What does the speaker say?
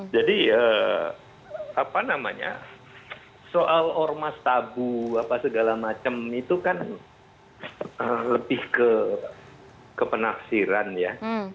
jadi apa namanya soal ormas tabu apa segala macam itu kan lebih ke penaksiran ya